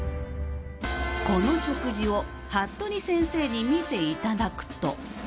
この食事を服部先生に見ていただくと。